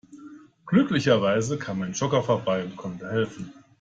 Glücklicherweise kam ein Jogger vorbei und konnte helfen.